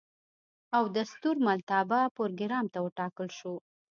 او د ستورملتابه پروګرام ته وټاکل شوه.